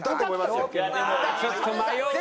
ちょっと迷うね。